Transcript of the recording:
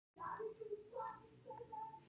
کابل د افغانستان د ټولو ولایاتو په کچه یو توپیر لري.